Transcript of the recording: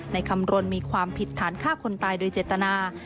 คำรณมีความผิดฐานฆ่าคนตายโดยเจตนา